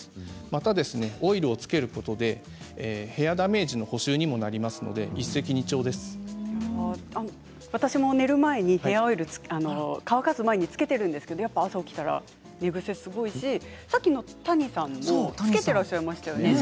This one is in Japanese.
またオイルをつけることでヘアダメージの補修にも私も寝る前にヘアオイルを乾かす前につけているんですけれども朝起きたら寝ぐせがすごいしさっきの谷さんもつけていましたよね。